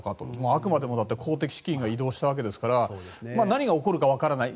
あくまでも公的資金が移動したわけですから何が起こるか分からない。